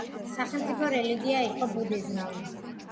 სახელმწიფო რელიგია იყო ბუდიზმი.